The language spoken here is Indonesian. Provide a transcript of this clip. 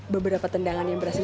beberapa tendangan yang berhasil